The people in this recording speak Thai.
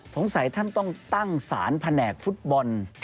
ท่านต้องตั้งสารแผนกฟุตบอล